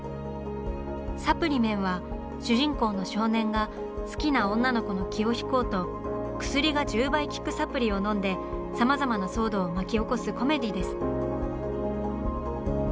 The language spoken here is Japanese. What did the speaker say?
「サプリメン」は主人公の少年が好きな女の子の気を引こうと「薬が１０倍効くサプリ」を飲んでさまざまな騒動を巻き起こすコメディーです。